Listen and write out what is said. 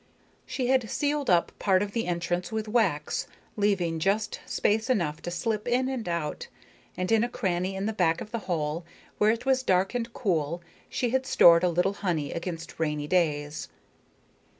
She had sealed up part of the entrance with wax, leaving just space enough to slip in and out; and in a cranny in the back of the hole, where it was dark and cool, she had stored a little honey against rainy days.